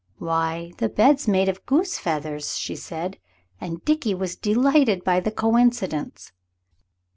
"Why, the bed's made of goose feathers," she said, and Dickie was delighted by the coincidence.